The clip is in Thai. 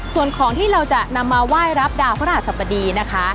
ส่วนของที่เราจะนำมาไหว้รับดาวพระราชสัปดีนะคะ